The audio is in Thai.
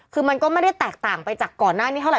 คือมันก็ไม่ได้แตกต่างไปจากก่อนหน้านี้เท่าไ